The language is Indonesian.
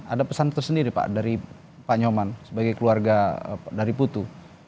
ada pesan tersendiri pak dari pak nyoman sebagai keluarga dari putu